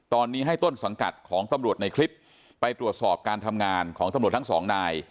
ตอนนี้ให้ต้นสังกัดของตำรวจในคลิปไปตรวจสอบการทำงานของตำรวจทั้งสองนาย